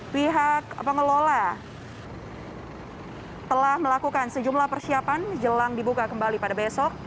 pihak pengelola telah melakukan sejumlah persiapan jelang dibuka kembali pada besok